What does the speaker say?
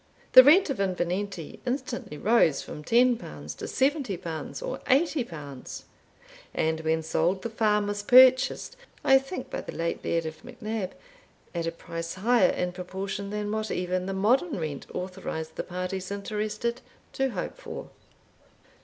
The rent of Invernenty instantly rose from L10 to L70 or L80; and when sold, the farm was purchased (I think by the late Laird of MacNab) at a price higher in proportion than what even the modern rent authorised the parties interested to hope for.